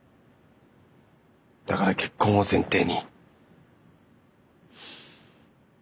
だから結婚を前提に。